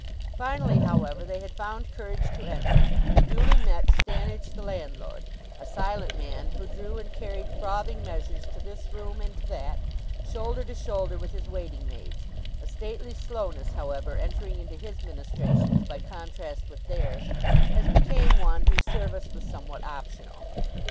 Finally, however, they had found courage to enter, and duly met Stannidge the landlord, a silent man, who drew and carried frothing measures to this room and to that, shoulder to shoulder with his waiting maids—a stately slowness, however, entering into his ministrations by contrast with theirs, as became one whose service was somewhat optional.